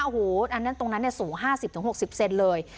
โอ้โหตรงนั้นสูง๕๐๖๐เซนต์เลย